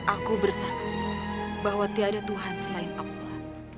aku bersaksi bahwa tiada tuhan selain allah